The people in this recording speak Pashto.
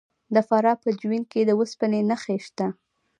د فراه په جوین کې د وسپنې نښې شته.